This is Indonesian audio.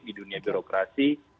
di dunia birokrasi